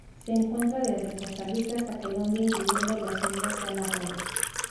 Se encuentra desde Costa Rica hasta Colombia, incluyendo las Islas Galápagos.